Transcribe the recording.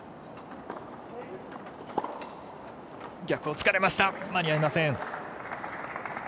逆をつかれました間に合いません。